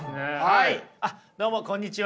どうもこんにちは。